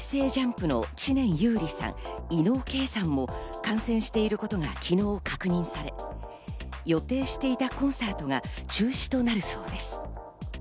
ＪＵＭＰの知念侑李さん、伊野尾慧さんも感染していることが昨日確認され、予定していたコンサートが中止となるそうです。